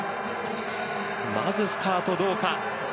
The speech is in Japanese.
まずスタート、どうか。